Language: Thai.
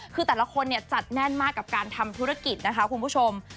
คือแต่ละคนเนี่ยจัดแน่นมากกับการทำธุรกิจนะคะคุณผู้ชม